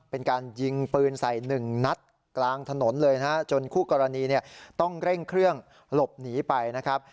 เป็นการยิงปืนใส่หนึ่งนัดกลางถนนเลยนะฮะจนคู่กรณีเนี่ยต้องเร่งเครื่องหลบหนีไปนะครับ